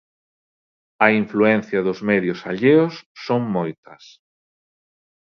A influencia dos medios alleos son moitas.